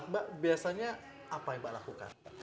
mbak biasanya apa yang mbak lakukan